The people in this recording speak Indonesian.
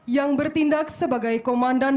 yang bertindak sebagai komandan